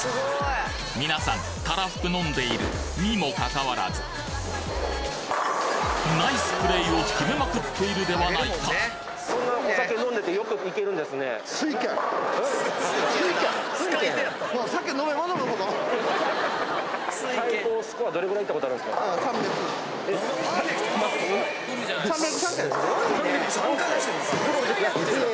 皆さんたらふく飲んでいるにもかかわらずナイスプレイを決めまくっているではないかプロじゃないですか。